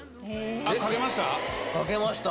かけました？